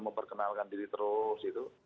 memperkenalkan diri terus gitu